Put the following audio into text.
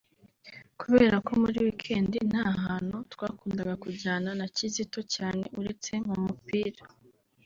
Kubera ko muri weekend nta hantu twakundaga kujyana na Kizito cyane uretse mu mupira